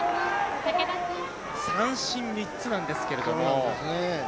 三振３つなんですけれども。